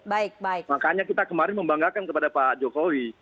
baik baik makanya kita kemarin membanggakan kepada pak jokowi